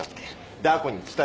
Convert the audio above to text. ダー子に伝えとけ。